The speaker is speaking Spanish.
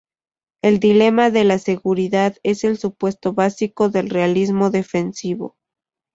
El dilema de la seguridad es el supuesto básico del realismo defensivo.